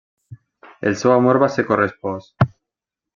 El seu amor va ser correspost.